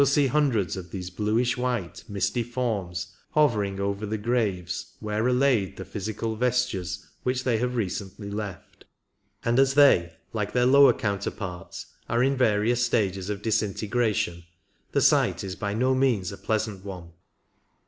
see hundreds of these bluish white, misty forms hovering over the graves where are laid the physical vestures which they have recently left; and as they, like their lower counterparts, are in various stages of disintegration, the sight is by no means a pleasant one.